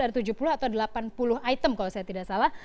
ada tujuh puluh atau delapan puluh item kalau saya tidak salah